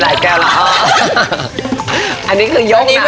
ทำไมคุณไม่ไหวแล้ว